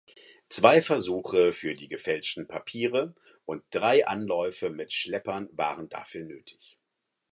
Zwei Versuche für die gefälschten Papiere und drei Anläufe mit Schleppern waren dafür nötig.